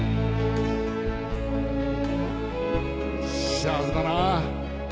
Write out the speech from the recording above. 幸せだな。